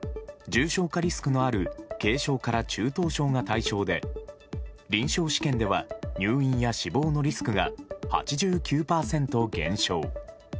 重症化リスクのある軽症から中等症が対象で臨床試験では入院や死亡のリスクが８９％減少。